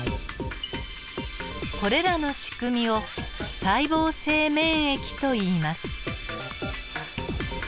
これらのしくみを細胞性免疫といいます。